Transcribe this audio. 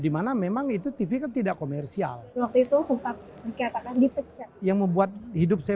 dimana memang itu tv kan tidak komersial waktu itu dikatakan dipecat yang membuat hidup saya